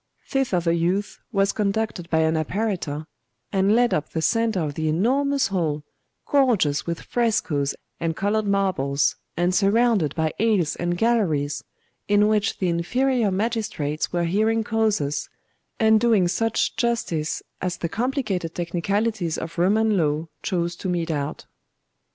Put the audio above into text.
Thither the youth was conducted by an apparitor, and led up the centre of the enormous hall, gorgeous with frescoes and coloured marbles, and surrounded by aisles and galleries, in which the inferior magistrates were hearing causes, and doing such justice as the complicated technicalities of Roman law chose to mete out.